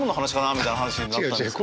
みたいな話になったんですけど。